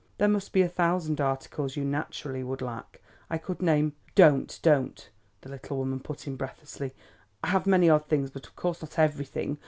"There must be a thousand articles you naturally would lack. I could name " "Don't, don't!" the little woman put in breathlessly. "I have many odd things but of course not everything.